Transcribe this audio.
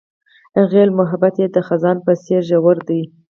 هغې وویل محبت یې د خزان په څېر ژور دی.